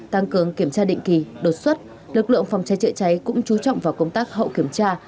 tăng cường kiểm tra định kỳ đột xuất lực lượng phòng cháy chữa cháy cũng chú trọng vào công tác hậu kiểm tra